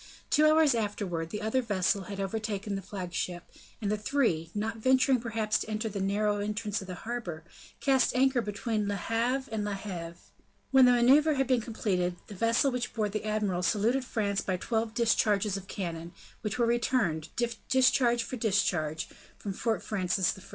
Two hours afterwards, the other vessels had overtaken the flagship, and the three, not venturing perhaps to enter the narrow entrance of the harbor, cast anchor between Le Havre and La Heve. When the maneuver had been completed, the vessel which bore the admiral saluted France by twelve discharges of cannon, which were returned, discharge for discharge, from Fort Francis I.